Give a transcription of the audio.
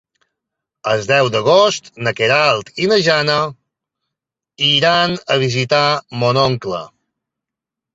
El deu d'agost na Queralt i na Jana iran a visitar mon oncle.